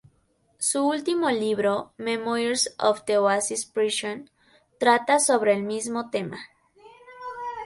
Su último libro, "Memoirs of the Oasis Prison", trata sobre el mismo tema.